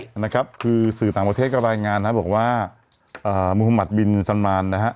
ยังไงคือสื่อต่างประเทศกับรายงานนะบอกว่ามุฑัมมัติบินสันมาลนะครับ